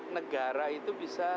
negara itu bisa